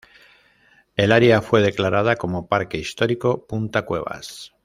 El área fue declarada como "Parque Histórico Punta Cuevas".